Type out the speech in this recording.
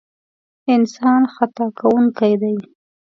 انسان خطا کوونکی دی.